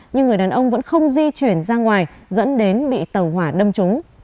nhưng người đàn ông vẫn không di chuyển ra ngoài dẫn đến bị tàu hỏa đâm trúng